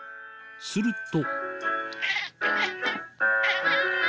すると。